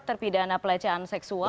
terpidana pelecehan seksual